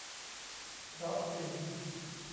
เพราะจริง